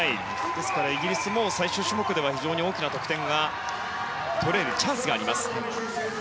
ですから、イギリスも最終種目では非常に大きな得点が取れるチャンスがあります。